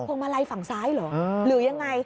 วงมาลัยฝั่งซ้ายเหรอหรือยังไง